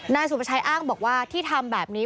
นายสุประชัยอ้างบอกว่าที่ทำแบบนี้